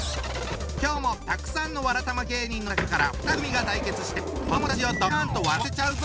今日もたくさんのわらたま芸人の中から２組が対決して子どもたちをドッカンと笑わせちゃうぞ！